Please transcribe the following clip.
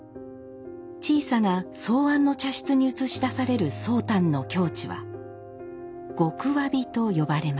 小さな草庵の茶室に映し出される宗旦の境地は「極侘び」と呼ばれます。